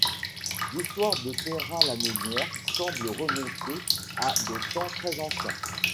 L'histoire de Peyrat-la-Nonière semble remonter à des temps très anciens.